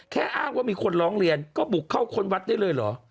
อ้างว่ามีคนร้องเรียนก็บุกเข้าคนวัดได้เลยเหรอ